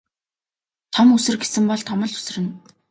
Том үсэр гэсэн бол том л үсэрнэ.